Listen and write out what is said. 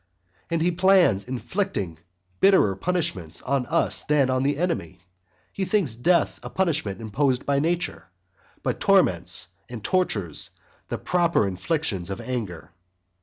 And he plans inflicting bitterer punishments on us than on the enemy; he thinks death a punishment imposed by nature, but torments and tortures the proper inflictions of anger.